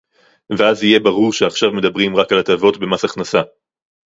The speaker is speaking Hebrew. ואז יהיה ברור שעכשיו מדברים רק על הטבות במס הכנסה